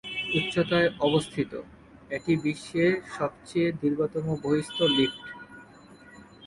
উচ্চতায় অবস্থিত, এটি বিশ্বের সবচেয়ে দীর্ঘতম বহিঃস্থ লিফট।